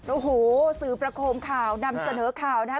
โอ้โหสื่อประโคมข่าวนำเสนอข่าวนะฮะ